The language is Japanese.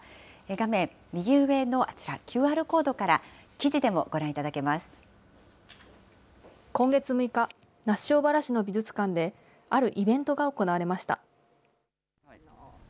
画面右上のあちら、ＱＲコードから、今月６日、那須塩原市の美術館で、あるイベントが行われました。